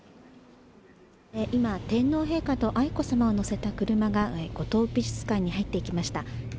今、天皇陛下と愛子さまを乗せた車が五島美術館に入っていきました。